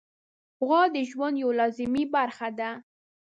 غوا د ژوند یوه لازمي برخه ده.